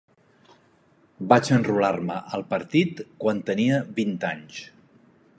Vaig enrolar-me al partit quan tenia vint anys.